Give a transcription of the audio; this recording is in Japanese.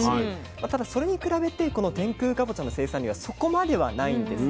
ただそれに比べてこの天空かぼちゃの生産量はそこまではないんですね。